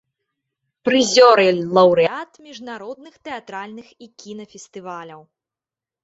Прызёр і лаўрэат міжнародных тэатральных і кінафестываляў.